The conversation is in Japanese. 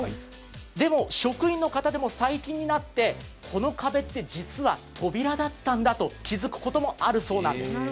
でも、職員の方でも最近になってこの壁って実は扉だったんだと気づくこともあるそうなんです。